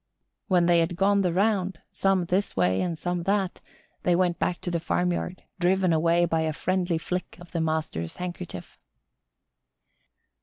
When they had gone the round, some this way and some that, they went back to the farmyard, driven away by a friendly flick of the master's handkerchief.